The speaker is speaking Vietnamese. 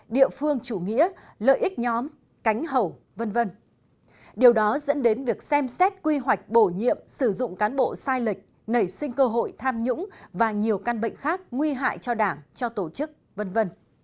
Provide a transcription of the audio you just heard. điều đó dẫn đến việc xem xét quy hoạch bổ nhiệm sử dụng cán bộ sai lệch nảy sinh cơ hội tham nhũng và nhiều căn bệnh khác nguy hại cho đảng cho tổ chức v v